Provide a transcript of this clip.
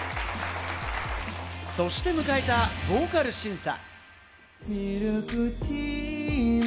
そして迎えたボーカル審査。